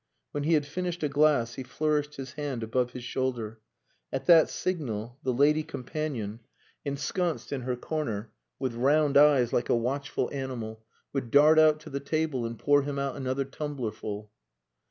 When he had finished a glass, he flourished his hand above his shoulder. At that signal the lady companion, ensconced in her corner, with round eyes like a watchful animal, would dart out to the table and pour him out another tumblerful.